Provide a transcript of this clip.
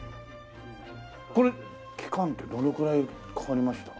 これ期間ってどのぐらいかかりました？